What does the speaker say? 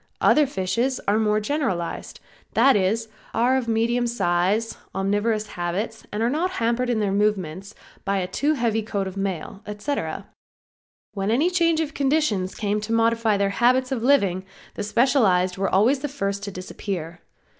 Other fishes are more generalized; that is, are of medium size, omnivorous habits, are not hampered in their movements by a too heavy coat of mail, etc. When any change of conditions came to modify their habits of living the specialized were always the first to disappear.